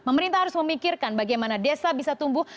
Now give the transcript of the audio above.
pemerintah harus memikirkan bagaimana desa bisa tumbuh